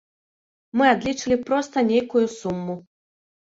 Мы адлічылі проста нейкую суму.